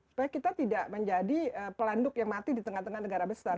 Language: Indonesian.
supaya kita tidak menjadi pelanduk yang mati di tengah tengah negara besar